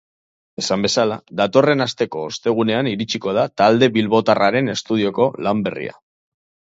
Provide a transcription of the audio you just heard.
Esan bezala, datorren asteko ostegunean iritsiko da talde bilbotarraren estudioko lan berria.